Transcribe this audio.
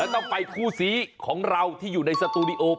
ต้องไปคู่ซีของเราที่อยู่ในสตูดิโอ